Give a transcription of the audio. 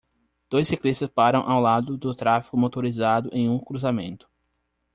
Dois ciclistas param ao lado do tráfego motorizado em um cruzamento.